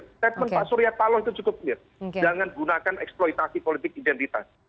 statement pak surya paloh itu cukup clear jangan gunakan eksploitasi politik identitas